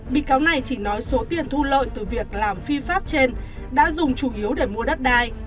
bị cáo này chỉ nói số tiền thu lợi từ việc làm phi pháp trên đã dùng chủ yếu để mua đất đai